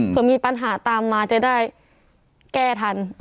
เพื่อมีปัญหาตามมาจะได้แก้ทัน